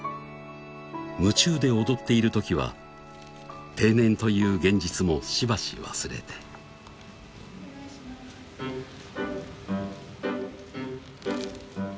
夢中で踊っている時は定年という現実もしばし忘れて・お願いします